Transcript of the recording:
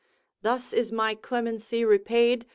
'Thus is my clemency repaid?